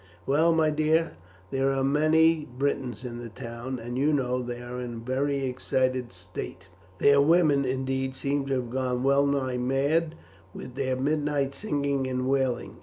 "Well, my dear, there are many Britons in the town, and you know they are in a very excited state; their women, indeed, seem to have gone well nigh mad with their midnight singing and wailing.